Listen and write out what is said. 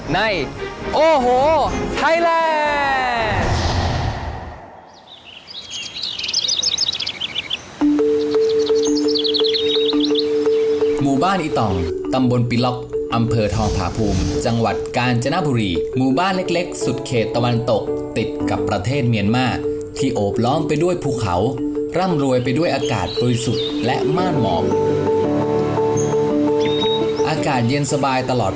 ในโอโหไทยแลนด์